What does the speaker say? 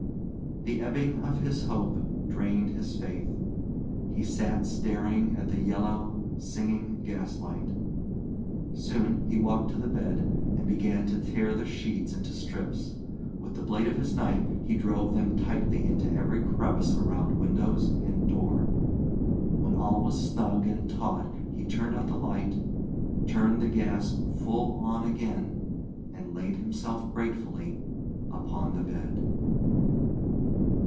The ebbing of his hope drained his faith. He sat staring at the yellow, singing gaslight. Soon he walked to the bed and began to tear the sheets into strips. With the blade of his knife he drove them tightly into every crevice around windows and door. When all was snug and taut he turned out the light, turned the gas full on again and laid himself gratefully upon the bed.